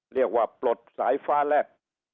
เรียกว่าปลดสายฟ้าแรก